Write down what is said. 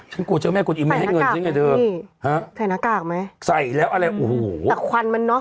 กลัวเจ้าแม่กวนอิมไม่ให้เงินฉันไงเธอนี่ฮะใส่หน้ากากไหมใส่แล้วอะไรโอ้โหแต่ควันมันเนอะ